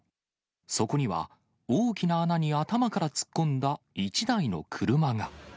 そこには、大きな穴に頭から突っ込んだ１台の車が。